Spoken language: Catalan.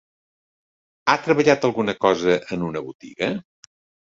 Ha treballat alguna cosa en una botiga?